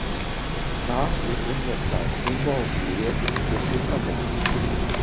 Tās ir universāls simbols vīrietim, kurš ir padevies!